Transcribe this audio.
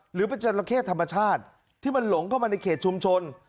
หรือเป็นจราเข้ธรรมชาติที่มันหลงเข้ามาในเขตชุมชน